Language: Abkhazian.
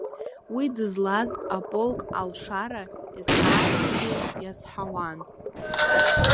Уи дызлаз аполк алшара есааирагьы иазҳауан.